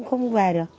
không về được